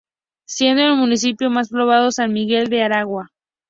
Siendo el municipio más poblado San Miguel del Araguaia.